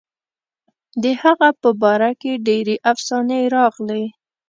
د هغه په باره کې ډېرې افسانې راغلي.